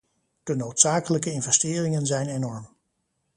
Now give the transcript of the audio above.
De noodzakelijke investeringen zijn enorm.